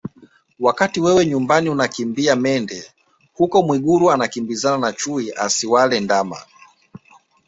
Wakati wewe nyumbani unakimbia mende huko Mwigulu anakimbizana na chui asiwale ndama